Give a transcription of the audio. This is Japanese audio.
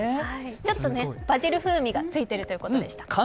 ちょっとバジル風味がついているということでした。